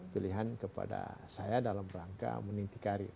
pilihan kepada saya dalam rangka menintikari